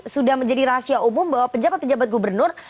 sudah menjadi rahasia umum bahwa penjabat penjabat gubernur